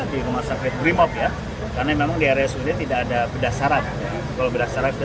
di rumah sakit rimob ya karena memang di area sudah tidak ada bedah syaraf kalau berdasarkan